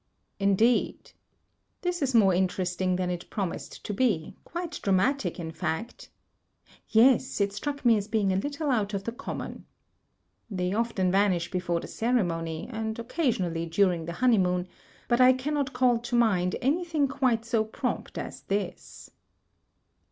"Indeed. This is more interesting than it promised to be; quite dramatic in fact." "Yes; it struck me as being a little out of the conmion." "They often vanish before the ceremony, and occasionally during the honey moon; but I cannot call to mind anything quite so prompt as this."